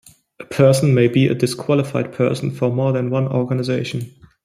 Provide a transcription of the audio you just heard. A person may be a disqualified person for more than one organization.